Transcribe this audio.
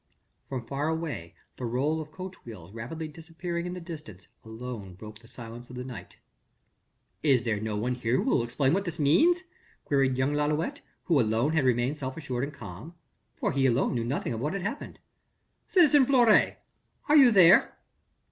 From far away the roll of coach wheels rapidly disappearing in the distance alone broke the silence of the night. "Is there no one here who will explain what all this means?" queried young Lalouët, who alone had remained self assured and calm, for he alone knew nothing of what had happened. "Citizen Fleury, are you there?"